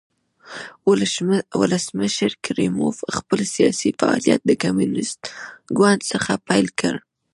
ولسمشر کریموف خپل سیاسي فعالیت د کمونېست ګوند څخه پیل کړ.